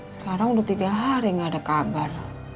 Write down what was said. sekarang udah tiga hari gak ada kabar